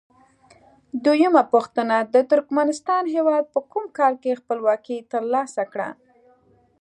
دویمه پوښتنه: د ترکمنستان هیواد په کوم کال کې خپلواکي تر لاسه کړه؟